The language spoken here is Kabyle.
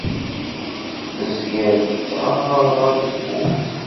Tezgiḍ tettɣamaḍ ar tewwurt.